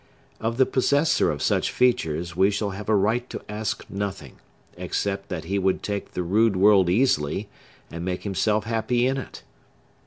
Of the possessor of such features we shall have a right to ask nothing, except that he would take the rude world easily, and make himself happy in it.